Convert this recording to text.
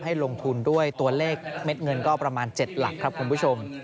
ลงทุนด้วยตัวเลขเม็ดเงินก็ประมาณ๗หลักครับคุณผู้ชม